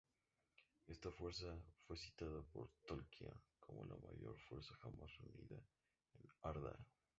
Esta fuerza fue citada por Tolkien como la "mayor fuerza jamás reunida en Arda".